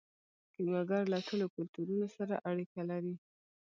کیمیاګر له ټولو کلتورونو سره اړیکه لري.